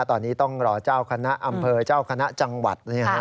ตอนนี้ต้องรอเจ้าคณะอำเภอเจ้าคณะจังหวัด